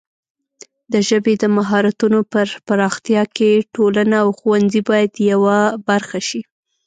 د ژبې د مهارتونو پر پراختیا کې ټولنه او ښوونځي باید یوه برخه شي.